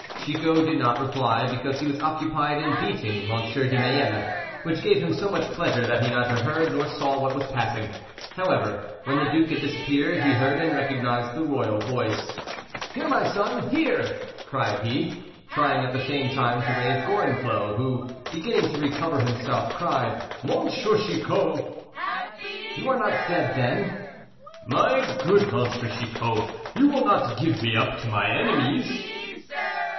Chicot did not reply, because he was occupied in beating M. de Mayenne, which gave him so much pleasure that he neither heard nor saw what was passing. However, when the duke had disappeared, he heard and recognized the royal voice. "Here, my son, here!" he cried, trying at the same time to raise Gorenflot, who, beginning to recover himself, cried, "Monsieur Chicot!" "You are not dead, then?" "My good M. Chicot, you will not give me up to my enemies?"